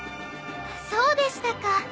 そうでしたか。